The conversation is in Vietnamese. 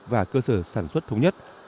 và cơ sở sản xuất thống nhất